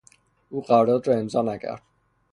او قرارداد را امضا نکرد.